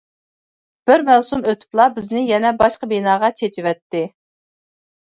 بىر مەۋسۇم ئۆتۈپلا بىزنى يەنە باشقا بىناغا چېچىۋەتتى.